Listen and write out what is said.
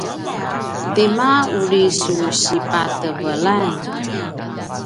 tima uri su ipatevelan?